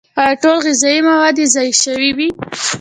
او ټول غذائي مواد ئې ضايع شوي وي